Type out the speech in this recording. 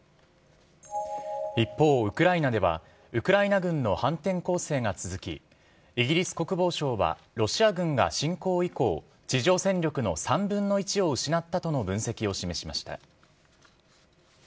一方、ウクライナではウクライナ軍の反転攻勢が続き、イギリス国防省はロシア軍が侵攻以降、地上戦力の３分の１を失ったとの分析を示しました。